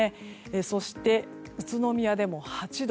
そして、宇都宮でも８度。